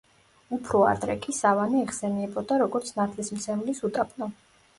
უფრო ადრე კი სავანე იხსენიებოდა, როგორც „ნათლისმცემლის უდაბნო“.